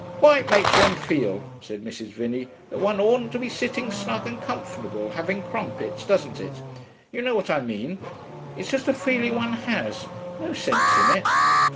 'Quite makes one feel,' said Mrs. Vinney, 'that one oughtn't to be sitting snug and comfortable having crumpets, doesn't it? You know what I mean; it's just a feeling one has, no sense in it.